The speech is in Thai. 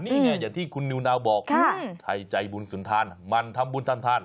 นี่ไงอย่างที่คุณนิวนาวบอกใครใจบุญสุนทานมันทำบุญทำทาน